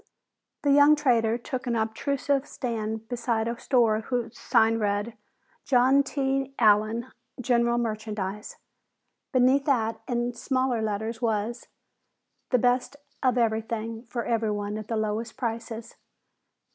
The young trader took an unobtrusive stand beside a store whose sign read "JOHN T. ALLEN, GENERAL MERCHANDISE." Beneath that, in smaller letters was, "The best of everything for everyone at the lowest prices."